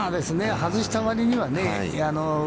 外した割にはね。